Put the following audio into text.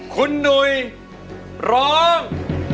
คุณหนุ่ยร้อง